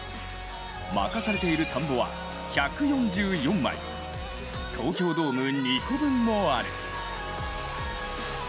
任されている田んぼは１４４枚東京ドーム２個分もある。